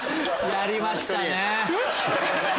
やりましたね！